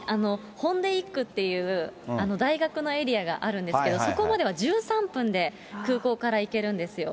ホンデイックっていう大学のエリアがあるんですけど、そこまでは１３分で空港から行けるんですよ。